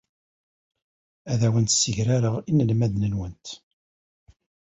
Ur awent-ssegrareɣ inelmaden-nwent.